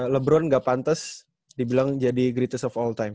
lebron gak pantes dibilang jadi greatest of all time